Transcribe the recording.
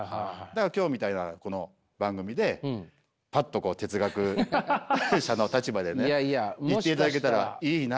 だから今日みたいなこの番組でぱっとこう哲学者の立場でね言っていただけたらいいなと思うんだけど。